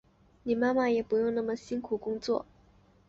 你妈妈也不用那么辛苦的工作